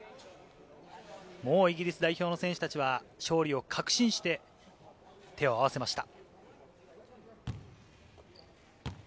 もうイギリス代表の選手たちは勝利を確信して手を合わせました。